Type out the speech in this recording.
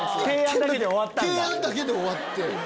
提案だけで終わったんだ。